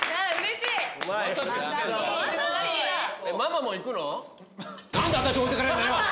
ママも行くの？